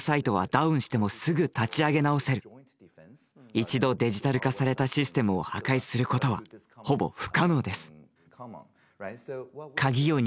一度デジタル化されたシステムを破壊することはほぼ不可能です。